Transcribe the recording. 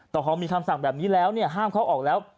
แต่พอมีคำสั่งแบบนี้แล้วห้ามเขาออกแล้ว